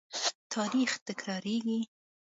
تاریخ تکرارېږي.